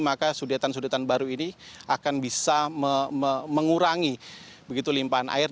maka sudetan sudetan baru ini akan bisa mengurangi begitu limpaan air